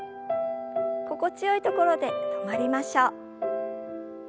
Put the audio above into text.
心地よいところで止まりましょう。